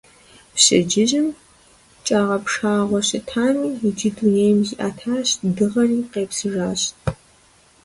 Пщэдджыжьым кӀагъэпшагъэу щытами, иджы дунейм зиӀэтащ, дыгъэри къепсыжащ.